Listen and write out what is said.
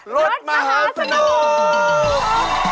รถมหาสนุก